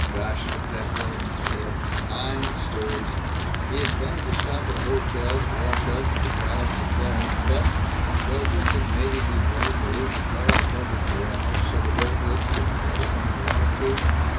Gosh, look at that building ahead nine stories!" He had planned to stop at a hotel, to wash up, and to gallop to Claire. But well wouldn't it maybe be better to leave the car at a public garage, so the Boltwoods could get it when they wanted to?